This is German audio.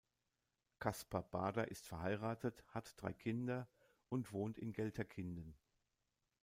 Caspar Baader ist verheiratet, hat drei Kinder und wohnt in Gelterkinden.